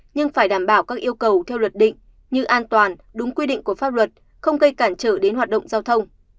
nhưng phải đảm bảo các yêu cầu theo luật định như an toàn đúng quy định của pháp luật không gây cản trở đến hoạt động giao thông